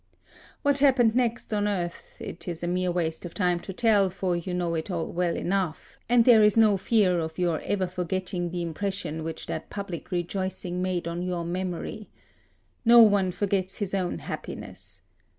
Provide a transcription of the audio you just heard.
What happened next on earth it is mere waste of 5 time to tell, for you know it all well enough, and there is no fear of your ever forgetting the impression which that public rejoicing made on your memory. No one forgets his own happiness.